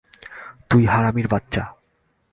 তুই হারামির বাচ্চা!